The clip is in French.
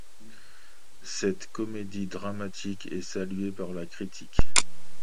Cette comédie dramatique est saluée par la critique.